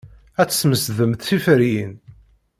Ad tesmesdemt tiferyin.